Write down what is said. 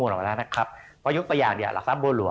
คุณสินทะนันสวัสดีครับ